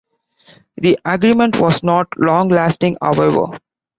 The agreement was not long-lasting, however.